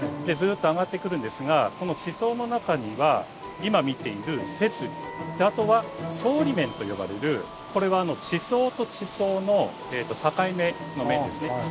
ずっと上がってくるんですがこの地層の中には今見ている節理あとは層理面と呼ばれるこれは地層と地層の境目の面ですね。